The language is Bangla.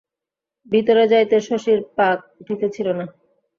ভিতরে যাইতে শশীর পা উঠিতেছিল না।